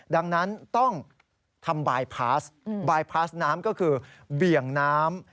ดังนั้นต้องทำบายพาสบายพาสน้ำก็คือเบี่ยงน้ำ